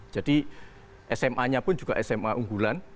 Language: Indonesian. jadi sma nya pun juga sma unggulan jadi pelajarnya pasti dari kelas